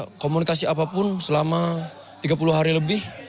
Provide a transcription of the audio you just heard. ada komunikasi apapun selama tiga puluh hari lebih